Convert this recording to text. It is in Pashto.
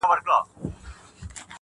جهاني دا چي بلیږي یوه هم نه پاته کیږي٫